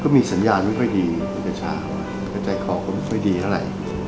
มีสัญญาณไม่ค่อยดีกับชาวใจของก็ไม่ค่อยดีเท่าไหร่